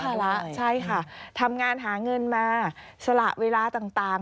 ภาระใช่ค่ะทำงานหาเงินมาสละเวลาต่าง